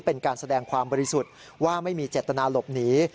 เป็นการแสดงความบริสุทธิ์ว่าไม่มีเจตนาหลบหนี